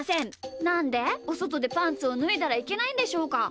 なんでおそとでパンツをぬいだらいけないんでしょうか？